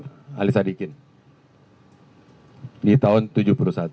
jadi indobilco enggak pernah beli tanah indobilco enggak pernah melakukan pembebasan tanah